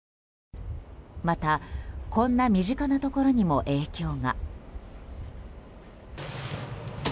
また、こんな身近なところにも影響が。